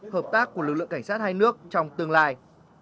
hợp tác của lực lượng cảnh sát hai nước trong tương lai